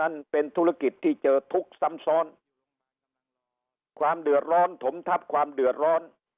นั่นเป็นธุรกิจที่เจอทุกข์ซ้ำซ้อนความเดือดร้อนถมทับความเดือดร้อน